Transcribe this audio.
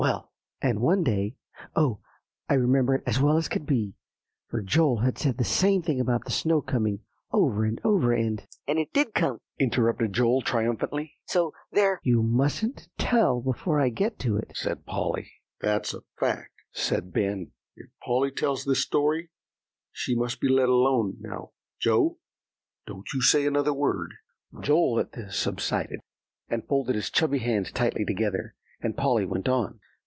"Well, and one day oh! I remember it as well as could be, for Joel had said the same thing about the snow coming, over and over, and" "And it did come," interrupted Joel triumphantly, "so, there" "You mustn't tell before I get to it," said Polly. "That's a fact," said Ben. "If Polly tells this story, she must be let alone. Now, Joe, don't you say another word." Joel, at this, subsided, and folded his chubby hands tightly together, and Polly went on.